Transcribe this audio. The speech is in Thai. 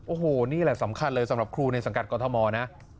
โอ้โหนี่แหละสำคัญเลยสำหรับครูในสังกัดกรทมนะ